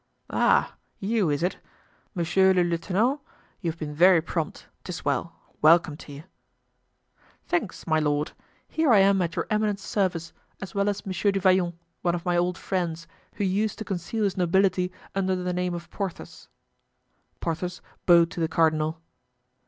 "Ah! you, is it? Monsieur le lieutenant, you have been very prompt. 'Tis well. Welcome to ye." "Thanks, my lord. Here I am at your eminence's service, as well as Monsieur du Vallon, one of my old friends, who used to conceal his nobility under the name of Porthos." Porthos bowed to the cardinal.